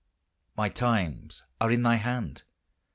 My times are in thy hand!